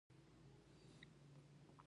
د ننګرهار په خوږیاڼیو کې د تالک کانونه دي.